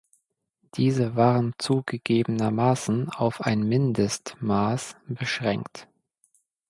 Diese waren zugegebenermaßen auf ein Mindestmaß beschränkt.